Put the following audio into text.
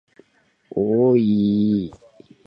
おおおいいいいいい